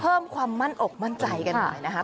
เพิ่มความมั่นอกมั่นใจกันหน่อยนะคะ